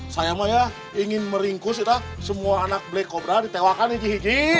saya mah ya ingin meringkus kita semua anak black cobra ditewakan iji iji